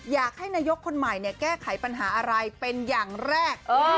อยากให้นายกคนใหม่แก้ไขปัญหาอะไรเป็นอย่างแรก